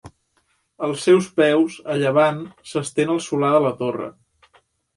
Als seus peus, a llevant, s'estén el Solà de la Torre.